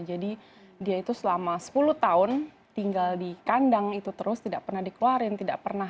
jadi dia itu selama sepuluh tahun tinggal di kandang itu terus tidak pernah dikeluarin tidak pernah ada